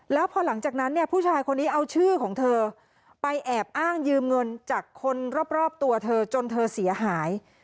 แล้วพอหลังจากนั้นเนี่ยผู้ชายคนนี้เอาชื่อของเธอไปแอบอ้างยืมเงินจากคนรอบตัวเธอจนเธอเสียหาย